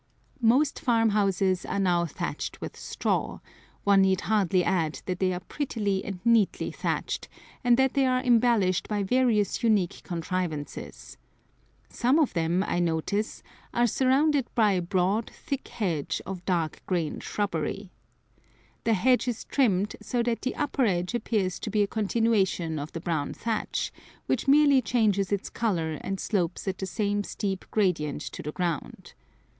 Most farm houses are now thatched with straw; one need hardly add that they are prettily and neatly thatched, and that they are embellished by various unique contrivances. Some of them, I notice, are surrounded by a broad, thick hedge of dark green shrubbery. The hedge is trimmed so that the upper edge appears to be a continuation of the brown thatch, which merely changes its color and slopes at the same steep gradient to the ground.